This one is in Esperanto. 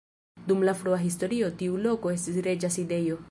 Dum la frua historio tiu loko estis reĝa sidejo.